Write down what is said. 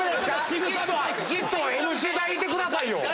じっとＭＣ台いてくださいよ。